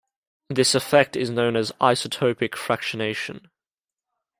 This effect is known as isotopic fractionation.